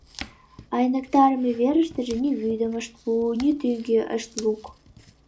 Айныктарыме верыштыже ни вӱдым ышт пу, ни тӱгӧ ышт лук.